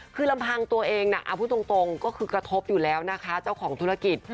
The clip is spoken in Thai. คือลำพังตัวเองน่ะเอาพูดตรงก็คือกระทบอยู่แล้วนะคะเจ้าของธุรกิจ